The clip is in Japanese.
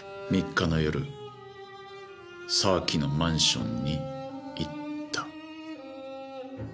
３日の夜沢木のマンションに行った。